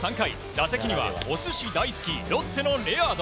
打席には、お寿司大好きロッテのレアード。